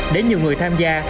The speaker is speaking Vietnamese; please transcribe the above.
đến nhiều người tham gia